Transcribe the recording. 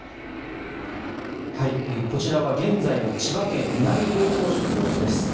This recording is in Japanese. こちらは現在の千葉県南房総市の様子です。